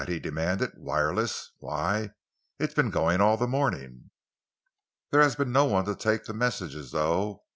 he demanded. "Wireless? Why, it's been going all the morning." "There has been no one there to take the messages, though.